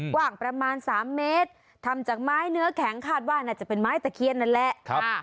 กว้างประมาณ๓เมตรทำจากไม้เนื้อแข็งคาดว่าน่าจะเป็นไม้ตะเคียนนั่นแหละ